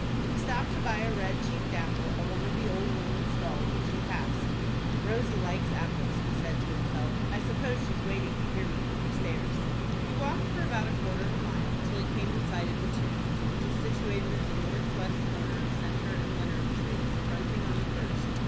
He stopped to buy a red cheeked apple at one of the old women's stalls which he passed. "Rosie likes apples," he said to himself. "I suppose she's waiting to hear me come upstairs." He walked for about quarter of a mile, till he came in sight of the Tombs, which is situated at the north west corner of Centre and Leonard Streets, fronting on the first.